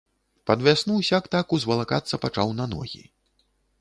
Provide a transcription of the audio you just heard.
Пад вясну сяк-так узвалакацца пачаў на ногі.